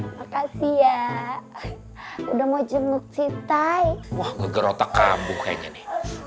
makasih ya udah mau jemput si tai